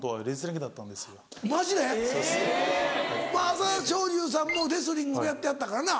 朝青龍さんもレスリングやってはったからな。